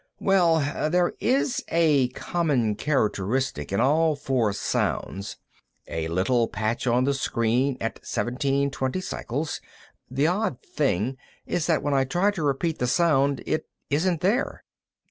"Well, there is a common characteristic in all four sounds. A little patch on the screen at seventeen twenty cycles. The odd thing is that when I try to repeat the sound, it isn't there."